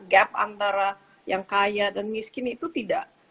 gap antara yang kaya dan miskin itu tidak